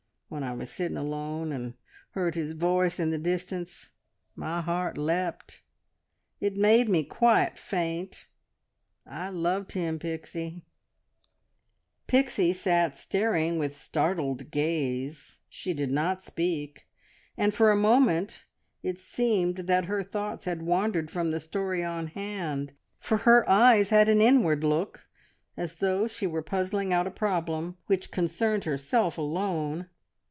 ... When I was sitting alone, and heard his voice in the distance, my heart leapt it made me quite faint. I loved him, Pixie!" Pixie sat staring with startled gaze. She did not speak, and for a moment it seemed that her thoughts had wandered from the story on hand, for her eyes had an inward look, as though she were puzzling out a problem which concerned herself alone.